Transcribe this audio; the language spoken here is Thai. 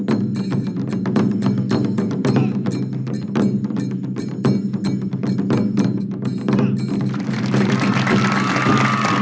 ตอนนี้ทุกคนมี๒กับ๓หมดครับ